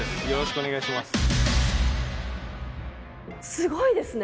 すごいですね。